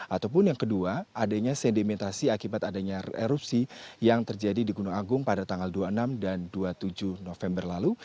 ataupun yang kedua adanya sedimentasi akibat adanya erupsi yang terjadi di gunung agung pada tanggal dua puluh enam dan dua puluh tujuh november lalu